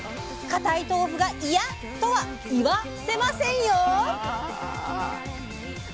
固い豆腐が「いや」とは「いわ」せませんよ。